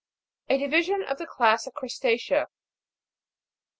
A division of the class of Crusta'cea.